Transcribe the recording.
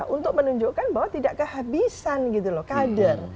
untuk menunjukkan bahwa tidak kehabisan gitu loh kader